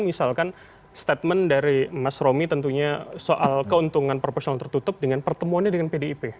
misalkan statement dari mas romi tentunya soal keuntungan proporsional tertutup dengan pertemuannya dengan pdip